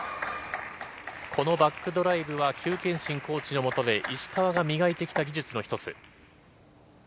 このバックドライブは、邱建新コーチの下で、石川が磨いてきた技術の一つ。